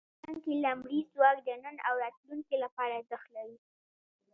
افغانستان کې لمریز ځواک د نن او راتلونکي لپاره ارزښت لري.